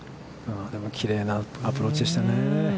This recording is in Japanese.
でも、きれいなアプローチでしたね。